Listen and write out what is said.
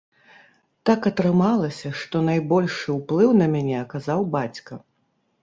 Так атрымалася, што найбольшы ўплыў на мяне аказаў бацька.